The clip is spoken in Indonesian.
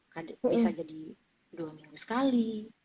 bisa jadi dua minggu sekali